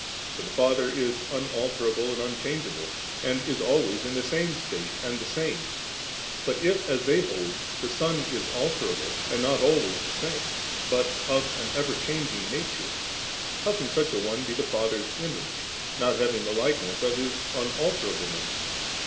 For the Father is un alterable and unchangeable, and is always in the same state and the same; but if, as they holdy the Son is alterable, and not always the same, but of an ever changing nature, how can such a one be the Father's Image, not having the likeness of His unalterableness*?